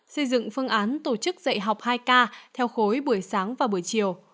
xây dựng phương án tổ chức dạy học hai k theo khối buổi sáng và buổi chiều